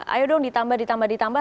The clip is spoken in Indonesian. ayo dong ditambah ditambah